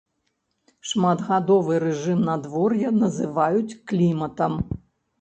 Шматгадовы рэжым надвор'я называюць кліматам.